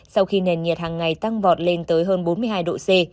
sau khi nền nhiệt hàng ngày tăng vọt lên tới hơn bốn mươi hai độ c